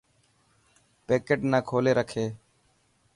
پيڪٽ نا ڪولي رکي.